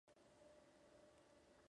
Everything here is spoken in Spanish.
La causa de su muerte fue un suicidio.